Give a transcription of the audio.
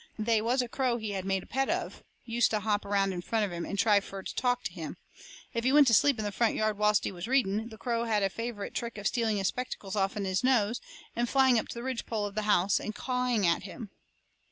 They was a crow he had made a pet of, used to hop around in front of him, and try fur to talk to him. If he went to sleep in the front yard whilst he was reading, that crow had a favourite trick of stealing his spectacles off'n his nose and flying up to the ridgepole of the house, and cawing at him.